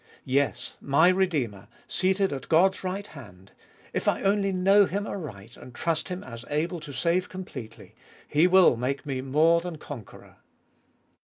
Yes, my Redeemer, seated at God's right hand — if I only know Him aright and trust Him as able to save completely — He will make me more than conqueror.